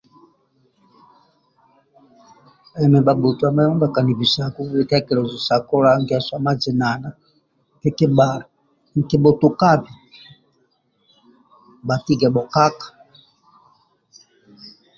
Emi bhabhotuami bhakanibisaku bitekelezo sa kola ngeso mazinana nikibha nikibhutukabe bhatige bhokaka